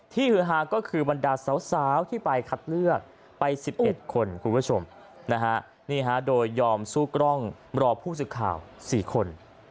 ฮือฮาก็คือบรรดาสาวที่ไปคัดเลือกไป๑๑คนคุณผู้ชมนะฮะโดยยอมสู้กล้องรอผู้สื่อข่าว๔คน